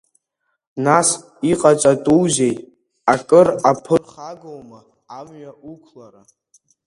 Нас иҟаҵатәузеи, акыр аԥырхагоума амҩа уқәлара?